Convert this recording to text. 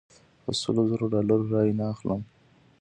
په سلو زرو ډالرو رایې نه اخلم.